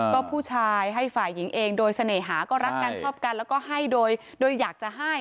ก็ผู้ชายให้ฝ่ายหญิงเองโดยเสน่หาก็รักกันชอบกันแล้วก็ให้โดยอยากจะให้